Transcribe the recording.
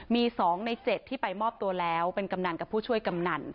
มี๒ใน๗ที่ไปมอบตัวแล้วเป็นกำนันกับผู้ช่วยกำนัน